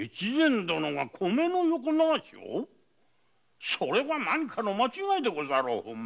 米の横流しを⁉それは何かの間違いでござろう。